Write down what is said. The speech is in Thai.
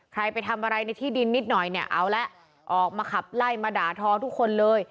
ไปทำอะไรในที่ดินนิดหน่อยเนี่ยเอาละออกมาขับไล่มาด่าทอทุกคนเลย